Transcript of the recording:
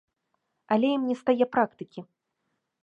Але ім нестае практыкі.